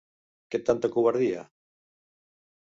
Què tanta covardia!